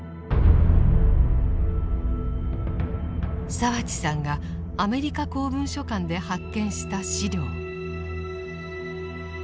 澤地さんがアメリカ公文書館で発見した資料。